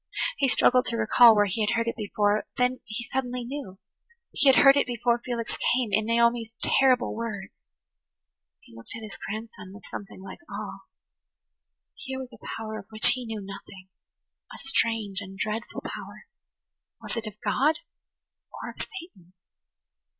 He struggled to recall where he had heard it before; then he suddenly knew–he had heard it before Felix came in Naomi's terrible words! He looked at his grandson with something like awe. Here was a power of which he knew nothing–a strange [Page 113] and dreadful power. Was it of God! Or of Satan?